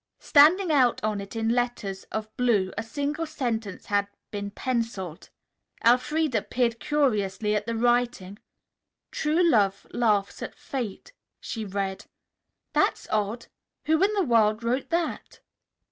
Standing out on it in letters of blue a single sentence had been pencilled. Elfreda peered curiously at the writing. "True love laughs at Fate," she read. "That's odd! Who in the world wrote that?"